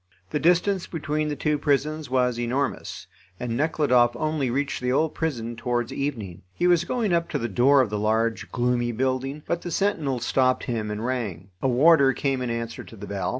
The distance between the two prisons was enormous, and Nekhludoff only reached the old prison towards evening. He was going up to the door of the large, gloomy building, but the sentinel stopped him and rang. A warder came in answer to the bell.